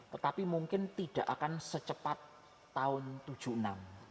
tetapi mungkin tidak akan secepat tahun tujuh puluh enam